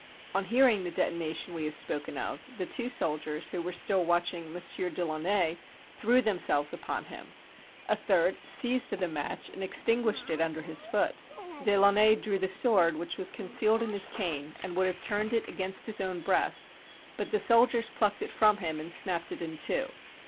On hearing the detonation we have spoken of, the two soldiers who were still watching Monsieur de Launay threw themselves upon him: a third seized the match and extinguished it under his foot. De Launay drew the sword which was concealed in his cane, and would have turned it against his own breast, but the soldiers plucked it from him and snapped it in two.